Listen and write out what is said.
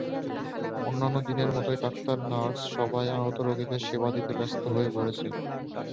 অন্যান্য দিনের মতোই ডাক্তার-নার্স সবাই আহত রোগীদের সেবা দিতে ব্যস্ত হয়ে পড়েছে।